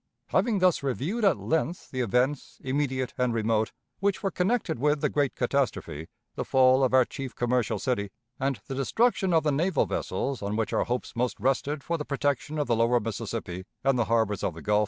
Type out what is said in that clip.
Having thus reviewed at length the events, immediate and remote, which were connected with the great catastrophe, the fall of our chief commercial city, and the destruction of the naval vessels on which our hopes most rested for the protection of the lower Mississippi and the harbors of the Gulf, the narrative is resumed of affairs at the city of New Orleans.